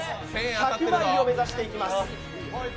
１００枚を目指していきます。